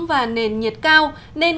và nền nhiệt cao nên